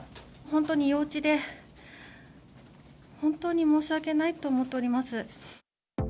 本当に幼稚で本当に申し訳ないと思っております。